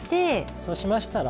そうしましたら。